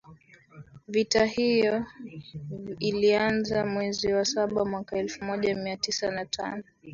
Vita hiyo ilianza mwezi wa saba mwaka elfu moja mia tisa na tano